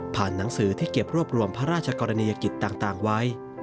หนังสือที่เก็บรวบรวมพระราชกรณียกิจต่างไว้